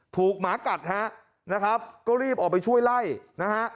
หมากัดฮะนะครับก็รีบออกไปช่วยไล่นะฮะ